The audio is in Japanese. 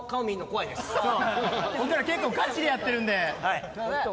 僕ら結構ガチでやってるんで。